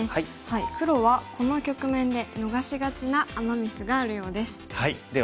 黒はこの局面で逃しがちなアマ・ミスがあるようです。